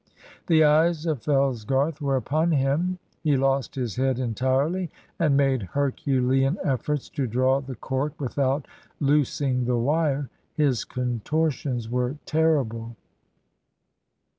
The eyes of Fellsgarth were upon him; he lost his head entirely, and made herculean efforts to draw the cork without loosing the wire. His contortions were terrible.